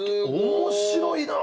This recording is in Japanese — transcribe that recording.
面白いな！